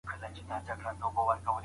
تنور بې اوره نه ګرمیږي.